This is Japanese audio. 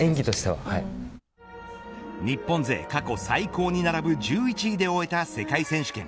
日本勢過去最高に並ぶ１１位で終えた世界選手権。